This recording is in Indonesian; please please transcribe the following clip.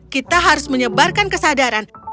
kita harus menyebarkan kesadaran